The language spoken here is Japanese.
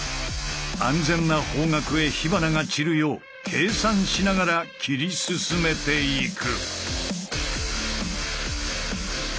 安全な方角へ火花が散るよう計算しながら切り進めていく。